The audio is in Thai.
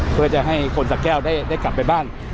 เพื่อจะให้คนสะแก้วได้กลับไปบ้าน